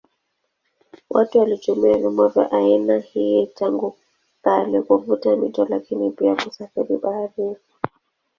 Watu walitumia vyombo vya aina hii tangu kale kuvuka mito lakini pia kusafiri baharini.